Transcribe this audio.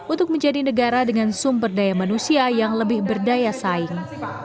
untuk menjadi negara dengan sumber daya manusia yang lebih berdaya saing